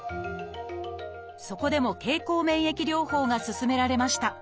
そこでも経口免疫療法が勧められました。